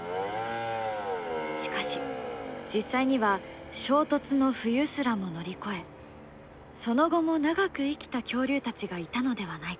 しかし実際には衝突の冬すらも乗り越えその後も長く生きた恐竜たちがいたのではないか。